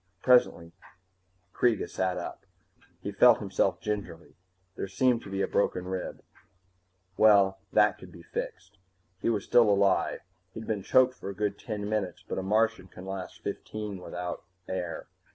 Presently Kreega sat up. He felt himself gingerly. There seemed to be a rib broken well, that could be fixed. He was still alive. He'd been choked for a good ten minutes, but a Martian can last fifteen without air.